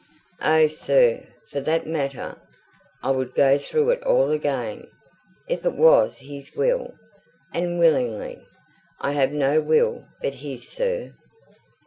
"Oh sir! for that matter, I would go through it all again, if it was his will, and willingly. I have no will but his, sir."